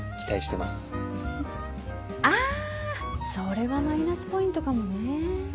あそれはマイナスポイントかもね。